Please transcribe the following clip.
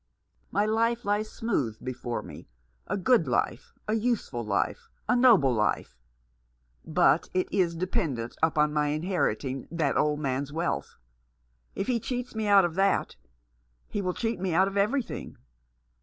My life lies smooth before me — a good life, a useful life, a noble life ; but it is dependent upon my inheriting that old man's wealth. If he cheats me out of that he will cheat me out of everything."